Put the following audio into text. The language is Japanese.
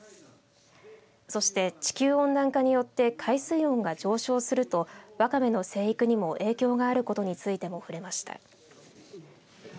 そして地球温暖化によって海水温が上昇するとワカメの生育にも影響があることについても触れました。